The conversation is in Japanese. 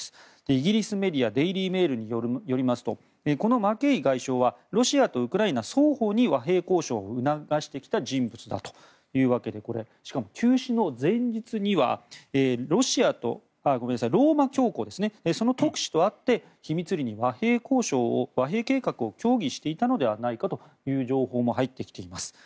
イギリスメディアデイリー・メールによりますとこのマケイ外相はロシアとウクライナ双方に和平交渉を促してきた人物だというわけでしかも急死の前日にはローマ教皇のその特使と会って秘密裏に和平計画を協議していたのではという情報も入ってきています。